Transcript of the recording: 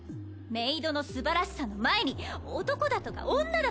メイドのすばらしさの前に男だとか女だとか